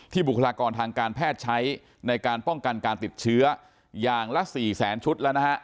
บุคลากรทางการแพทย์ใช้ในการป้องกันการติดเชื้ออย่างละ๔แสนชุดแล้วนะฮะ